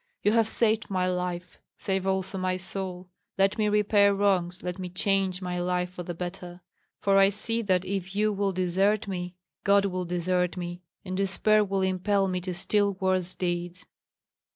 You have saved my life, save also my soul; let me repair wrongs, let me change my life for the better; for I see that if you will desert me God will desert me, and despair will impel me to still worse deeds."